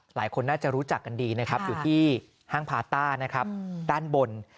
หลายคนน่าจะรู้จักกันดีนะครับอยู่ที่ห้างพาต้านะครับด้านบน